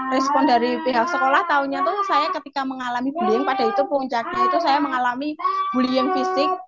respon dari pihak sekolah taunya tuh saya ketika mengalami bullying pada itu puncaknya itu saya mengalami bullying fisik